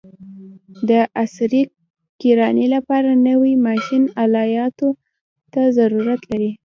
د عصري کرانې لپاره نوي ماشین الاتو ته ضرورت لري.